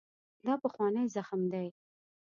دا پخوانی زخم دی.